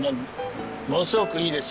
ものすごくいいです。